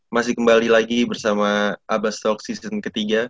masih kembali lagi bersama abbastol season ketiga